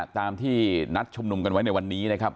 ตามที่นัดชุมนุมกันไว้ในวันนี้นะครับ